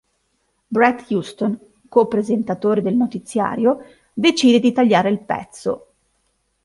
Brett Huston co-presentatore del notiziario decide di tagliare il pezzo.